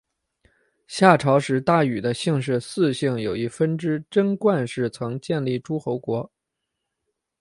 夏朝时大禹的氏族姒姓有一分支斟灌氏曾建立诸侯国。